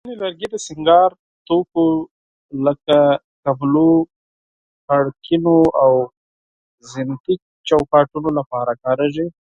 ځینې لرګي د سینګار توکو لکه کملو، کړکینو، او زینتي چوکاټونو لپاره کارېږي.